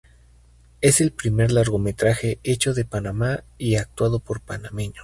Es el primer largometraje hecho en Panamá y actuado por panameños.